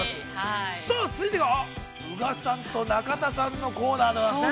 ◆さあ、続いては宇賀さんと中田さんのコーナーでございますね。